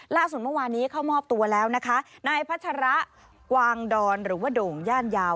เมื่อวานี้เข้ามอบตัวแล้วนะคะนายพัชระกวางดอนหรือว่าโด่งย่านยาว